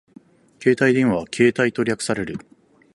携帯電話はケータイと略される